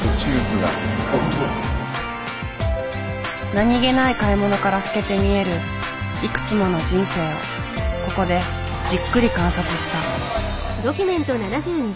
何気ない買い物から透けて見えるいくつもの人生をここでじっくり観察した。